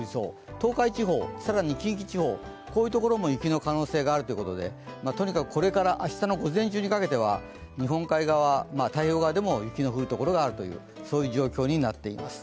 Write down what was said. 東海地方、更に近畿地方、こういうところも雪の可能性があるということで、とにかくこれから明日の午前中にかけては日本海側、太平洋側でも雪の降るところがあるという状況になっています。